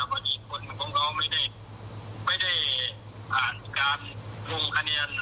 เพราะที่คุณของเขาไม่ได้ผ่านการลงคะเนียร